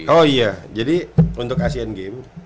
oh iya jadi untuk asean games